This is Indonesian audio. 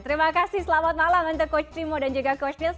terima kasih selamat malam untuk coach timo dan juga coach news